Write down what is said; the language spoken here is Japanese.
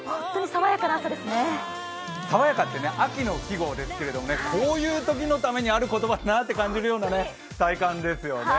爽やかって秋の季語ですけれどもね、こういうときのためにある言葉だなって感じるような体感ですよね。